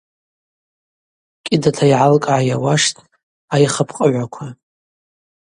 Кӏьыдата йгӏалкӏгӏа йауаштӏ айха пкъыгӏваква.